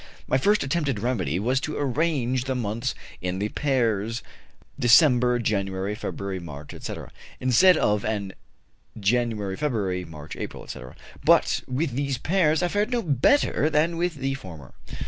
My first attempted remedy was to arrange the months in the pairs December January, February March, etc., instead of in January February, March April, etc.; but with these pairs I fared no better than with the former.